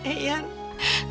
ken kau mau ngomong apa